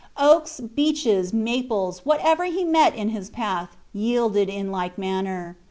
Oaks, beeches, maples, whatever he met in his path, yielded in like manner.